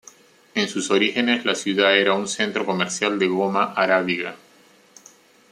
En sus orígenes la ciudad era un centro comercial de goma arábiga.